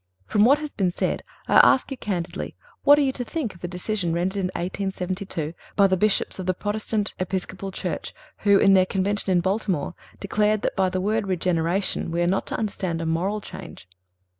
(352) From what has been said, I ask you candidly what are you to think of the decision rendered in 1872 by the Bishops of the Protestant Episcopal Church, who, in their convention in Baltimore, declared that by the word regeneration we are not to understand a moral change.